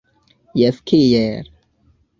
Jes kiel?